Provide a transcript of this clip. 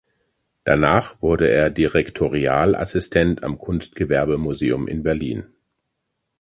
Danach wurde er Direktorialassistent am Kunstgewerbemuseum in Berlin.